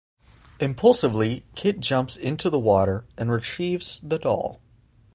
Impulsively, Kit jumps into the water and retrieves the doll.